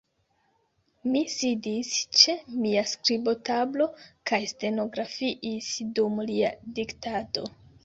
Mi sidis ĉe mia skribotablo, kaj stenografiis dum lia diktado.